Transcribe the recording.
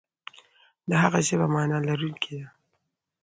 د هغه ژبه معنا لرونکې ده.